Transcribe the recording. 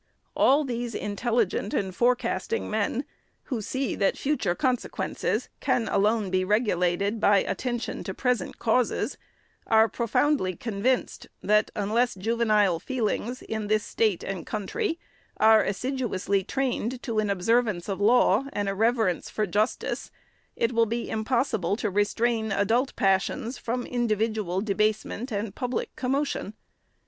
All these intelligent and forecasting men, who see that future consequences can alone be regulated by attention to present causes, are profoundly convinced, that unless juvenile feelings, in this State and Country, are assiduously trained to an observance of law and a reverence for justice, it will be impossible to restrain adult passions from individual debasement and public commotion.